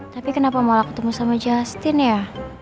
tapi kenapa malah ketemu sama justin ya